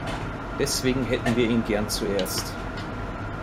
Deswegen hätten wir ihn gern zuerst.